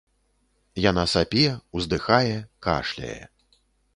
Яна сапе, уздыхае, кашляе.